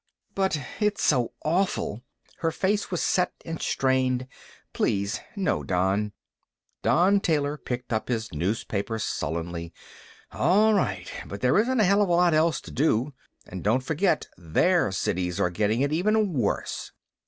"But it's so awful!" Her face was set and strained. "Please, no, Don." Don Taylor picked up his newspaper sullenly. "All right, but there isn't a hell of a lot else to do. And don't forget, their cities are getting it even worse."